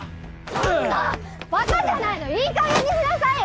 ちょっとバカじゃないのいいかげんにしなさいよ！